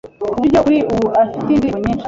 ku buryo kuri ubu afite indirimbo nyinshi